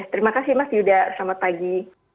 terima kasih mas yuda selamat pagi